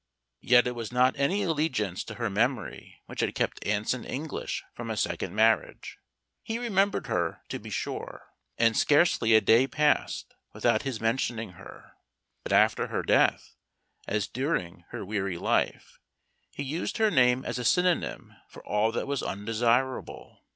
Yet it was not any allegiance to her memory which had kept Anson English from a second marriage. He remembered her, to be sure, and scarcely a day passed without his mentioning her. But after her death, as during her weary life, he used her name as a synonym for all that was undesirable.